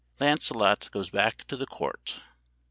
"LANCELOT GOES BACK TO THE COURT."